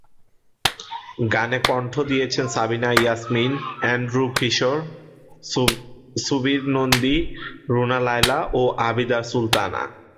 গানে কণ্ঠ দিয়েছেন সাবিনা ইয়াসমিন, এন্ড্রু কিশোর, সুবীর নন্দী, রুনা লায়লা, ও আবিদা সুলতানা।